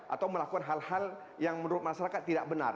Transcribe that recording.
atau melakukan hal hal yang menurut masyarakat tidak benar